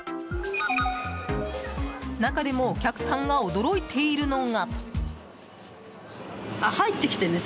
中でもお客さんが驚いているのが。